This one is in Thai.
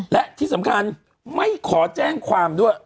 และที่สำคัญไม่ขอแจ้งความด้วย